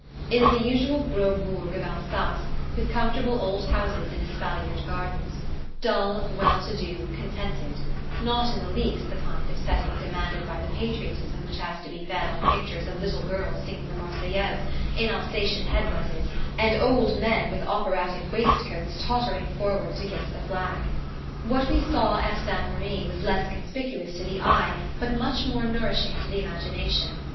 It is the usual "gros bourg" of Alsace, with comfortable old houses in espaliered gardens: dull, well to do, contented; not in the least the kind of setting demanded by the patriotism which has to be fed on pictures of little girls singing the Marseillaise in Alsatian head dresses and old men with operatic waistcoats tottering forward to kiss the flag. What we saw at Dannemarie was less conspicuous to the eye but much more nourishing to the imagination.